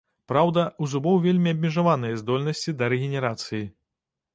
Праўда, у зубоў вельмі абмежаваныя здольнасці да рэгенерацыі.